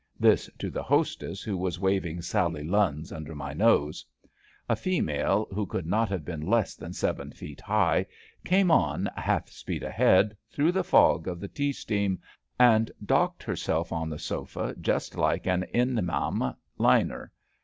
This to the hostess, who was waving Sally Lunns under my nose. A female, who could ON EXHIBITION 247 not have been less than seven feet high, came on, half speed ahead, through the fog of the tea steam, and docked herself on the sofa just like an Inmam liner.